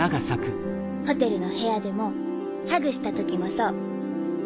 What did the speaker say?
ホテルの部屋でもハグした時もそう。